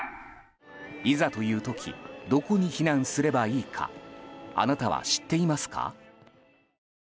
いざという時どこに避難すればいいかあなたは知っていますか？